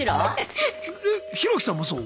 ヒロキさんもそう？